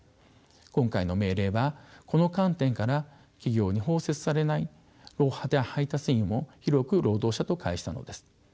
今回の命令はこの観点から企業に包摂されない配達員も広く労働者と解したのです。